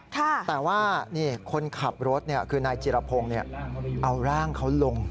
แต่ว่าคนขับรถคือนายจิรพงศ์เอาร่างเขาลง